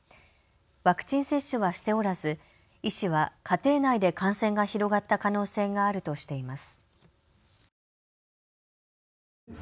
ワクチン接種はしておらず医師は家庭内で感染が広がった可能性があるとしています。